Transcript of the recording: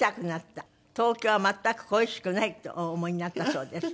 東京は全く恋しくないとお思いになったそうです。